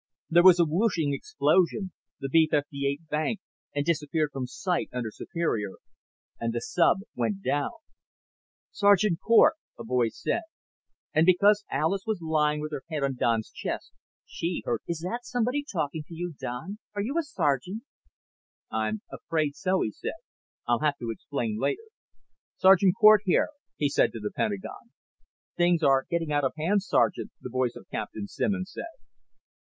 There was a whooshing explosion, the B 58 banked and disappeared from sight under Superior, and the sub went down. "Sergeant Cort," a voice said, and because Alis was lying with her head on Don's chest she heard it first. "Is that somebody talking to you, Don? Are you a sergeant?" "I'm afraid so," he said. "I'll have to explain later. Sergeant Cort here," he said to the Pentagon. "Things are getting out of hand, Sergeant," the voice of Captain Simmons said.